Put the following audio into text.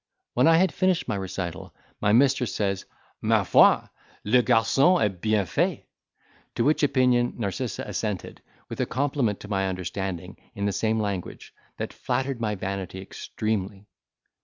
When I had finished my recital, my mistress, said, "Ma foi! le garçon est bien fait!" To which opinion Narcissa assented, with a compliment to my understanding, in the same language, that flattered my vanity extremely.